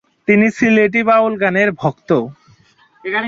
তিনি সিলেটি বাউল গানের ভক্ত।